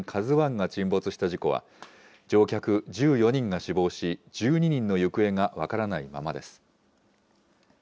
ＫＡＺＵＩが沈没した事故は、乗客１４人が死亡し、１２人の行方が分からないままです。